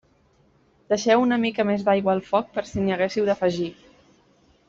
Deixeu una mica més d'aigua al foc per si n'hi haguéssiu d'afegir.